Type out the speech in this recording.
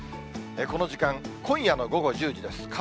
この時間、今夜の午後１０時です。